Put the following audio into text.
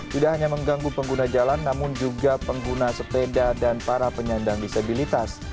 tidak hanya mengganggu pengguna jalan namun juga pengguna sepeda dan para penyandang disabilitas